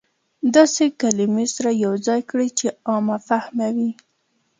داسې کلمې سره يو ځاى کړى چې عام فهمه وي.